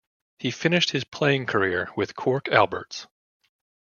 He finished his playing career with Cork Alberts.